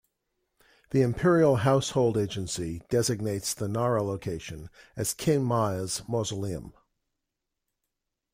The Imperial Household Agency designates the Nara location as Kinmei's mausoleum.